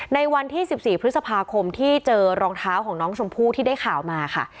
ในวันที่๑๔พฤษภาคมที่เจอรองเท้าของน้องชมพู่ที่ได้ข่าวมาค่ะ